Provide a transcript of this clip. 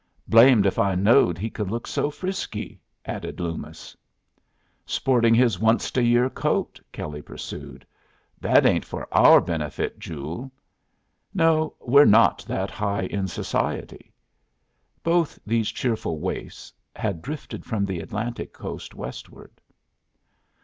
"Blamed if I knowed he could look so frisky," added Loomis. "Sporting his onced a year coat," Kelley pursued. "That ain't for our benefit, Joole." "No, we're not that high in society." Both these cheerful waifs had drifted from the Atlantic coast westward.